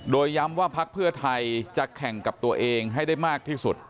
โดยย้ำว่าพักเพื่อไทยจะแข่งกับตัวเองให้ได้มากที่สุด